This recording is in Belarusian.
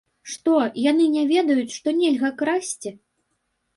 Што, яны не ведаюць, што нельга красці?